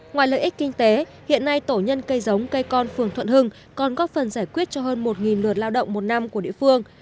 ngoài lợi ích kinh tế hiện nay tổ nhân cây giống cây con phường thuận hưng còn góp phần giải quyết cho hơn một lượt lao động một năm của địa phương